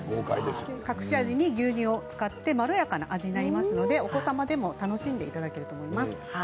隠し味に牛乳を使ってまろやかな味になりますのでお子様も楽しんでいただけると思います。